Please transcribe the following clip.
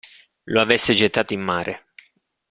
Lo avesse gettato in mare.